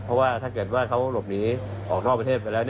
เพราะว่าถ้าเกิดว่าเขาหลบหนีออกนอกประเทศไปแล้ว